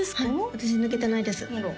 私抜けてないです